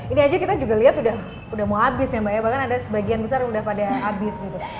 ini aja kita juga lihat udah mau habis ya mbak ya bahkan ada sebagian besar udah pada habis gitu